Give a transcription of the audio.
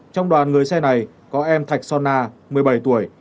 trong đoàn người xe này có em thạch son na một mươi bảy tuổi